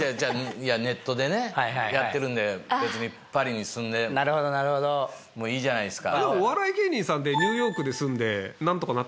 いやネットでねやってるんで別にパリに住んでもいいじゃないですか。